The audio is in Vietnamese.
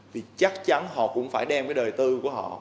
vì chắc chắn họ cũng phải đem cái đời tư của họ